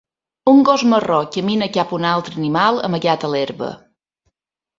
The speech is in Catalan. Un gos marró camina cap a un altre animal amagat a l'herba.